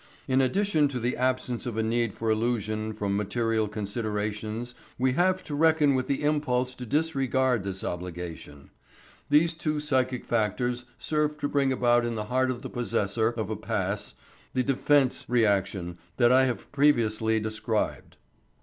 In addition to the absence of a need for illusion from material considerations we have to reckon with the impulse to disregard this obligation. These two psychic factors serve to bring about in the heart of the possessor of a pass the defence reaction that I have previously described.